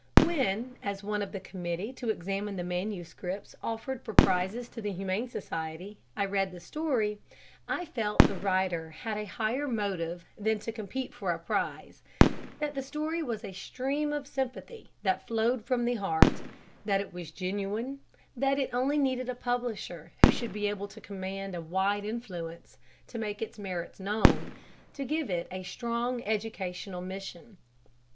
When, as one of the committee to examine the manuscripts offered for prizes to the Humane Society, I read the story, I felt that the writer had a higher motive than to compete for a prize; that the story was a stream of sympathy that flowed from the heart; that it was genuine; that it only needed a publisher who should be able to command a wide influence, to make its merits known, to give it a strong educational mission.